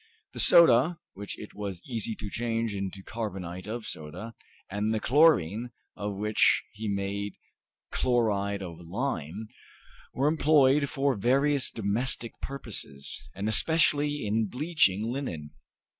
The soda, which it was easy to change into carbonate of soda, and the chlorine, of which he made chloride of lime, were employed for various domestic purposes, and especially in bleaching linen.